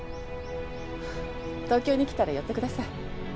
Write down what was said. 東京に来たら寄ってください。